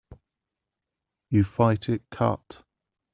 You fight it cut.